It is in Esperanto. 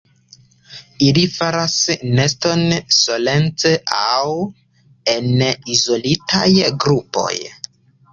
Ili faras neston solece aŭ en izolitaj grupoj.